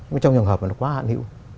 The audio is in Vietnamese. nhưng trong trường hợp nó quá hạn hữu